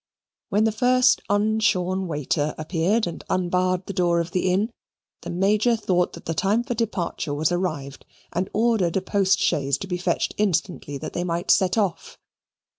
When the first unshorn waiter appeared and unbarred the door of the inn, the Major thought that the time for departure was arrived, and ordered a post chaise to be fetched instantly, that they might set off.